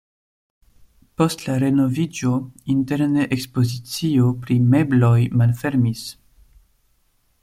Post la renoviĝo interne ekspozicio pri mebloj malfermis.